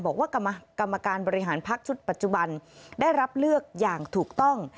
บอกว่ากรรมการบริหารพักชุดปัจจุบันได้รับเลือกอย่างถูกต้อง